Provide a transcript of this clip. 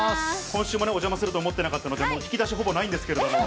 今週もお邪魔すると思ってなかったので、引き出しほぼないんですけれども。